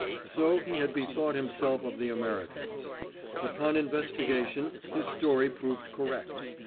So he had bethought himself of the Americans. Upon investigation his story proved correct.